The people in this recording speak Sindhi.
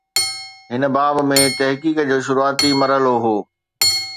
هن باب ۾ تحقيق جو شروعاتي مرحلو هو.